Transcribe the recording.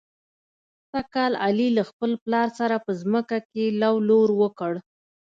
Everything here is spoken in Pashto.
سږ کال علي له خپل پلار سره په ځمکه کې لو لور وکړ.